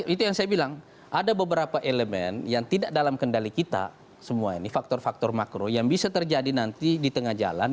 itu yang saya bilang ada beberapa elemen yang tidak dalam kendali kita semua ini faktor faktor makro yang bisa terjadi nanti di tengah jalan